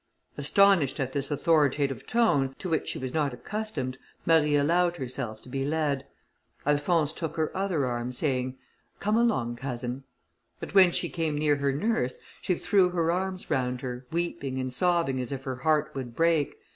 Astonished at this authoritative tone, to which she was not accustomed, Marie allowed herself to be led. Alphonse took her other arm, saying, "Come along, cousin." But when she came near her nurse, she threw her arms round her, weeping and sobbing as if her heart would break.